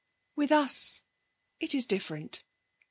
With us it is different....